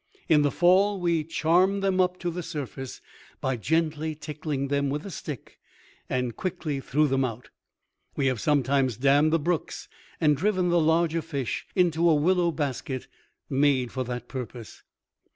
In the fall we charmed them up to the surface by gently tickling them with a stick and quickly threw them out. We have sometimes dammed the brooks and driven the larger fish into a willow basket made for that purpose.